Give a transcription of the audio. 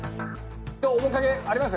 面影あります？